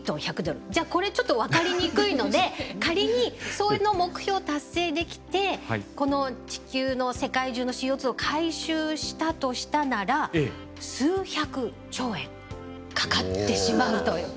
じゃあこれちょっと分かりにくいので仮にその目標を達成できてこの地球の世界中のＣＯを回収したとしたなら数百兆円かかってしまうという。